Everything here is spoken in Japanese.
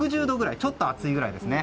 ちょっと熱いぐらいですね。